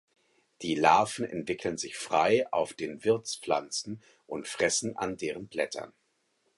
Die Larven entwickeln sich frei auf den Wirtspflanzen und fressen an deren Blättern.